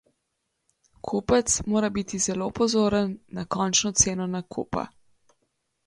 Kupec mora biti zelo pozoren na končno ceno nakupa.